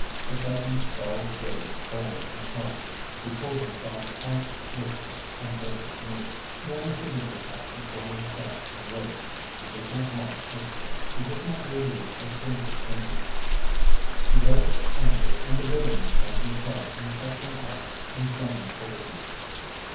A sudden dull fury burned in his heart. He poured himself out whisky and drank it neat. Then he seated himself before his desk and wrote. He did not once hesitate. He did not reread a single sentence. He dug up the anger and the bitterness from his heart and set them out in flaming phrases.